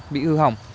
bị hư hỏng